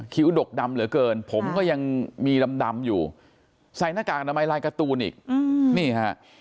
ดกดำเหลือเกินผมก็ยังมีดำอยู่ใส่หน้ากากอนามัยลายการ์ตูนอีกนี่ฮะ